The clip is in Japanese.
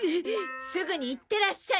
すぐに行ってらっしゃい。